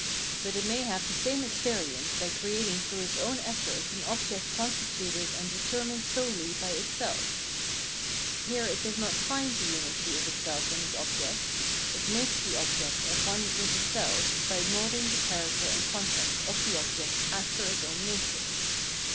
But it may have the same experience by creating through its own effort an object constituted and determined solely by its self. Here it does not find the unitj' of itself and its object ; it makes the object at one with itself by moulding the character and content of the object after its own nature.